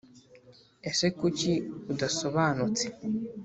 ese kuki udasobanutse,